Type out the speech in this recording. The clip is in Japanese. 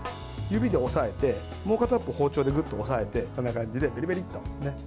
指で押さえてもう片っぽ包丁でぐっと押さえてこんな感じでべりべりっと。